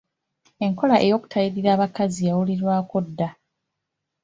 Enkola ey’okutayirira abakazi yawulirwako edda.